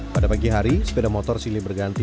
pada pagi hari sepeda motor silih berganti